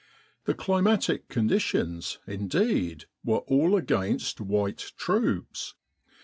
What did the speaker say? The climatic conditions, indeed, were all against white troops.